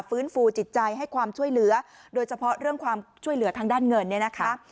ฟื้นฟูจิตใจให้ความช่วยเหลือโดยเฉพาะเรื่องความช่วยเหลือทางด้านเงินเนี่ยนะคะ